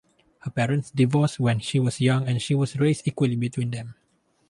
Her parents divorced when she was young and she was raised equally between them.